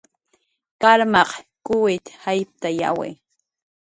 Karmaq k'uwitx jayptayawi